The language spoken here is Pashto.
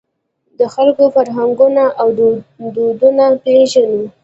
د خلکو فرهنګونه او دودونه پېژنو.